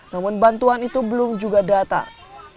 namun bantuan itu belum juga datang